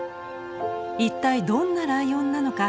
一体どんなライオンなのか？